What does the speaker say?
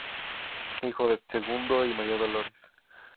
Hijo de Segundo y María Dolores.